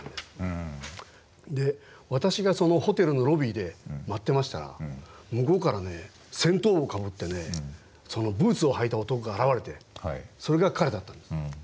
私がホテルのロビーで待ってましたら向こうから戦闘帽をかぶってブーツを履いた男が現れてそれが彼だったんです。